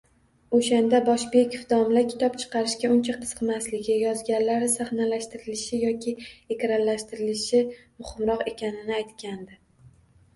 Oʻshanda Boshbekov domla kitob chiqarishga uncha qiziqmasligi, yozganlari sahnalashtirilishi yoki ekranlashtirilishi muhimroq ekanini aytgandi